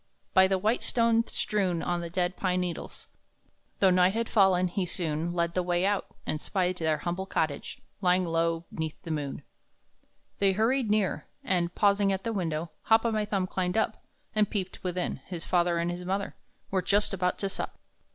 By the white stones strewn on the dead pine needles, Though night had fallen, he soon Led the way out, and spied their humble cottage, Low lying 'neath the moon. They hurried near, and, pausing at the window, Hop o'my Thumb climbed up, And peeped within; his father and his mother Were just about to sup.